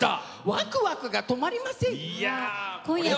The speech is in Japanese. ワクワクが止まりません！